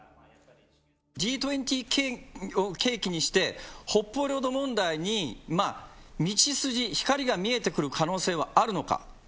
Ｇ２０を契機にして、北方領土問題に道筋、光が見えてくる可能性はあるのか？